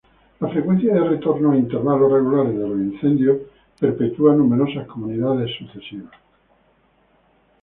La frecuencia de retorno a intervalos regulares de los incendios, perpetúa numerosas comunidades sucesivas.